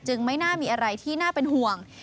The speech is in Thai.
ไม่น่ามีอะไรที่น่าเป็นห่วง